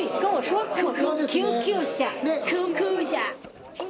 救急車、救急車。